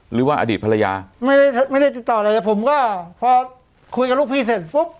หรือว่าอดีตภรรยาไม่ได้ไม่ได้ติดต่ออะไรเลยผมก็พอคุยกับลูกพี่เสร็จปุ๊บ